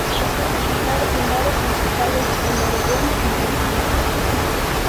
Empezó a cantar en bares musicales en Oregón y San Francisco.